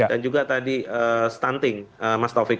dan juga tadi stunting mas taufik